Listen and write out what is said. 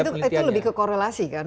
itu lebih ke korelasi kan